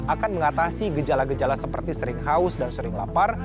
akan mengatasi gejala gejala seperti sering haus dan sering lapar